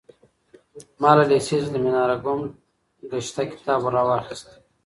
ما له لېسې څخه د مناره ګم ګشته کتاب راواخيست.